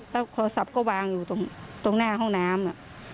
แล้วโทรศัพท์ก็วางอยู่ตรงหน้าห้องน้ำ